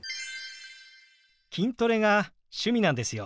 筋トレが趣味なんですよ。